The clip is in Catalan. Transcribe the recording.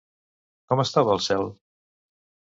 Com estava el cel?